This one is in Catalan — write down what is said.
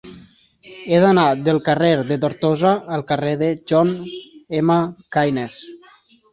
He d'anar del carrer de Tortosa al carrer de John M. Keynes.